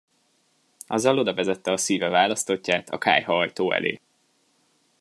Azzal odavezette szíve választottját a kályhaajtó elé.